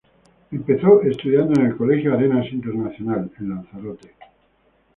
Empezó estudiando en el Colegio Arenas Internacional, en Lanzarote.